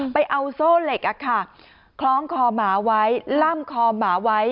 ไปเอาโซ่เหล็กคล้องคอหมาไว้ล่ำคอหมาไว้